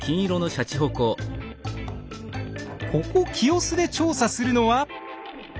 ここ清須で調査するのは。